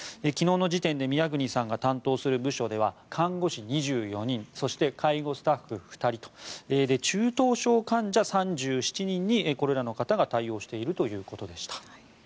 昨日の時点で宮國さんが担当する部署では看護師２４そして介護スタッフ２人で中等症患者３７人にこれらの方が対応しているということでした。